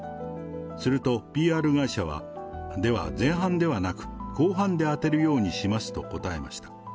するとＰＲ会社は、では前半ではなく、後半で当てるようにしますと答えました。